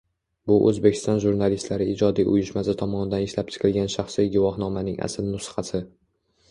Bu O'zbekiston Jurnalistlari ijodiy uyushmasi tomonidan ishlab chiqilgan shaxsiy guvohnomaning asl nusxasi.